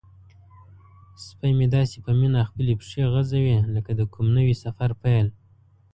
سپی مې داسې په مینه خپلې پښې غځوي لکه د کوم نوي سفر پیل.